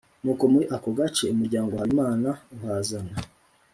Nuko muri ako gace, umuryango wa Habimana uhazana